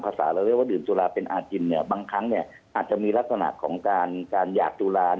ภาษาเราเรียกว่าดื่มสุราเป็นอาจินบางครั้งอาจจะมีลักษณะของการหยาดสุรา